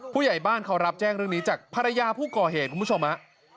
ผู้ใหญ่บ้านเขารับแจ้งเรื่องนี้จากภรรยาผู้ก่อเหตุคุณผู้ชมฮะ